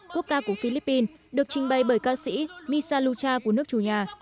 quốc ca của philippines được trình bày bởi ca sĩ misa lucha của nước chủ nhà